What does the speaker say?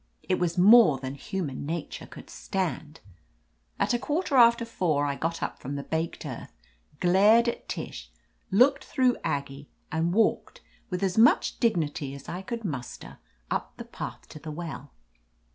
It was more than human nature could stand. At a quarter after four o'clock I got up from the baked earth, glared at Tish, looked through Aggie, and walked with as much dignity as I .could muster up the path to the well.